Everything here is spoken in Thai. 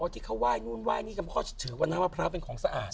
ที่เขาไหว้นู่นไหว้นี่พ่อถือว่าน้ำมะพร้าวเป็นของสะอาด